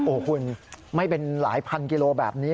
โอ้โหคุณไม่เป็นหลายพันกิโลแบบนี้